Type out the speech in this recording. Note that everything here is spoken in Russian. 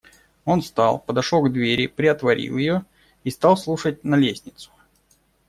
Он встал, подошел к двери, приотворил ее и стал слушать на лестницу.